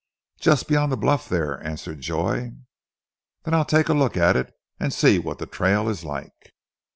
"Just beyond the bluff there," answered Joy. "Then I'll take a look at it, and see what the trail is like."